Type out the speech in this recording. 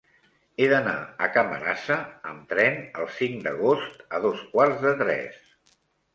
He d'anar a Camarasa amb tren el cinc d'agost a dos quarts de tres.